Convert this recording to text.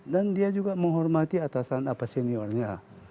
dan dia juga menghormati atasan seniornya